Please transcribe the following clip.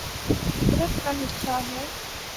فطرت کا حصہ ہے